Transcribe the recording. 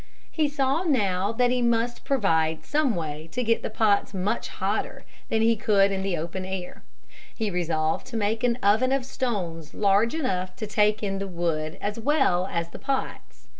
He saw that he must provide some way to get the pots much hotter than he could in the open air. He resolved to make an oven of stones large enough to take in the wood as well as the pots.